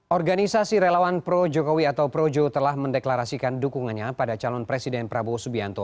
organisasi relawan pro jokowi atau projo telah mendeklarasikan dukungannya pada calon presiden prabowo subianto